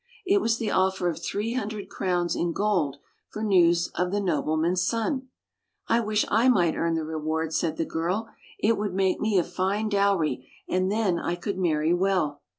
It was the offer of three hundred crowns in gold for news of the nobleman's son. " I wish I might earn the reward," said the girl. " It would make me a fine dowry, and then I could marry well."